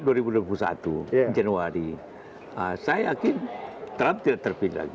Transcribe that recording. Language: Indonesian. di januari saya yakin trump tidak terpikir lagi